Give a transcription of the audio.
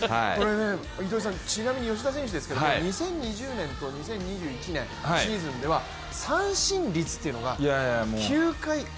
ちなみに吉田選手ですけれども２０２０年と２０２１年のシーズンでは三振率というのが球界一